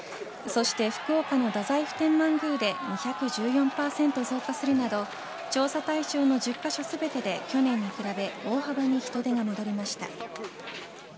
そして福岡の太宰府天満宮で２１４％増加するなど調査対象の１０カ所全てで去年に比べ大幅に人出が戻りました。